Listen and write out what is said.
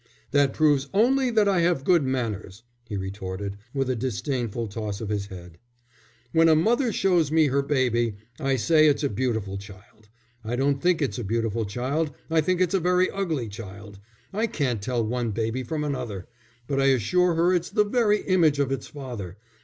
"That proves only that I have good manners," he retorted, with a disdainful toss of his head. "When a mother shows me her baby, I say it's a beautiful child. I don't think it's a beautiful child, I think it's a very ugly child. I can't tell one baby from another, but I assure her it's the very image of its father.